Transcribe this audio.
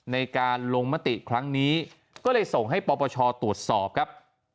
ในการลงมติครั้งนี้ก็เลยส่งให้ปปชตรวจสอบครับ